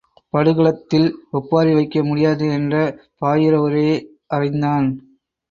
படுகளத்– தில் ஒப்பாரி வைக்க முடியாது என்ற பாயிர உரையை அறிந்தான்.